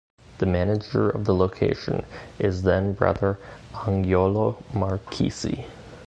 The manager of the location is then brother Angiolo Marchissi.